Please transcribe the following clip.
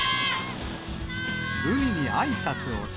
海にあいさつをし。